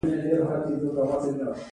هغه مامور چې دنده یې بالفعل نه وي.